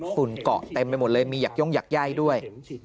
ฝุ่นเกาะเต็มไปหมดเลยมีหยักย่งหยักย่าด้วย